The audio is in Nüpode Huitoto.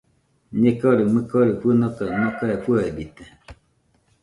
Ñekore mɨkori fɨnoka nokae fɨebite